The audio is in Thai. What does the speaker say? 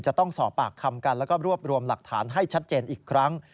จะต้องสอบปากคำกันแล้วก็รวบรวมหลักฐานให้ชัดเจนอีกครั้ง